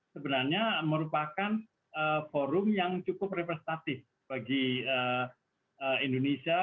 sebenarnya merupakan forum yang cukup representatif bagi indonesia